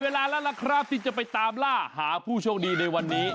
เวลาแล้วล่ะครับที่จะไปตามล่าหาผู้โชคดีในวันนี้